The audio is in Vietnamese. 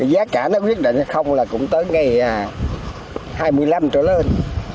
giá cả nó quyết định hay không là cũng tới ngày hai mươi năm trở lên